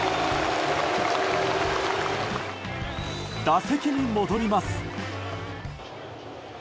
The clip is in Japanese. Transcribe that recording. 打席に戻ります。